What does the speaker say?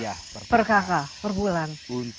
ya per kakak per bulan